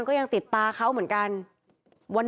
ขอบคุณครับ